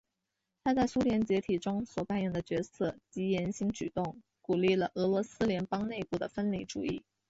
他在苏联解体中所扮演的角色及言行举动鼓励了俄罗斯联邦内部的分离主义。